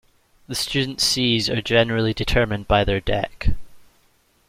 The student seas are generally determined by their deck.